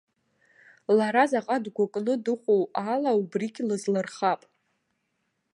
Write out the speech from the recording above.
Лара заҟа дгәыкны дыҟоу ала убригь лызлырхап.